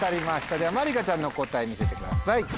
ではまりかちゃんの答え見せてください。